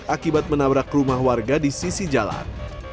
akibat menabrak rumah warga di sisi jalan